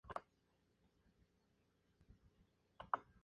El programa cuenta con el apoyo de la Fundación Biodiversidad.